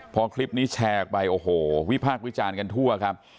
พอคลิปนี้แชร์ออกไปโอ้โหวิพากษ์วิจารณ์กันทั่วครับ